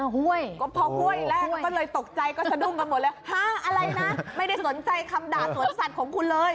ฮ่าอะไรนะไม่ได้สนใจคำด่าสวนสัตว์ของคุณเลย